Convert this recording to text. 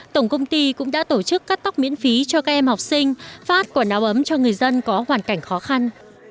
tổng công ty cũng đã tổ chức cắt tóc miễn phí cho các em học sinh phát quần áo ấm cho người dân có hoàn cảnh khó khăn